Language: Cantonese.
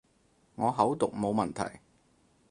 我口讀冇問題